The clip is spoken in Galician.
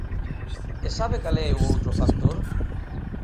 ¿E sabe cal é o outro factor?